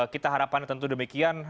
kita harapkan tentu demikian